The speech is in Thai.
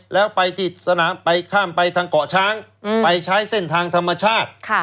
แล้วไปที่สนามไปข้ามไปทางเกาะช้างไปใช้เส้นทางธรรมชาติ